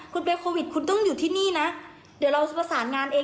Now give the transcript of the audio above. คุณเป็นโควิดคุณต้องอยู่ที่นี่นะเดี๋ยวเราจะประสานงานเอง